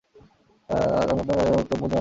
আপনি আমাকে এর চেয়ে উত্তম বিনিময় দান করুন।